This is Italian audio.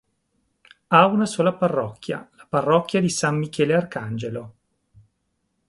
Ha una sola parrocchia: la Parrocchia San Michele Arcangelo.